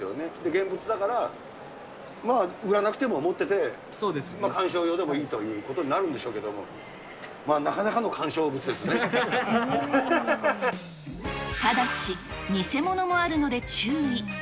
現物だから、まあ、売らなくても持ってて、鑑賞用でもいいということになるんでしょうけども、なかなかの鑑ただし、偽物もあるので注意。